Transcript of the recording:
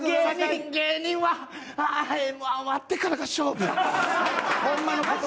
芸人はＭ−１終わってからが勝負。